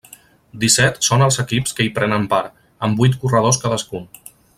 Disset són els equips que hi prenen part, amb vuit corredors cadascun.